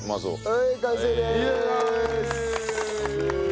はい完成です！